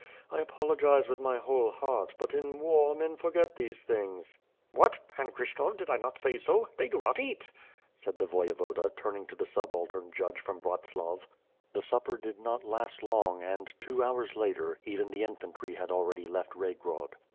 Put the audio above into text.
I apologize with my whole heart, but in war, men forget those things." WITH FIRE AND SWORD, 337 '"What, Pan Kryshtof, did I not say so? They do not eat!'' said the Voyevoda turning to the subaltern judge from Brats lav. The supper did not last long and, two hours later, even the infantry had already left Kaygrod.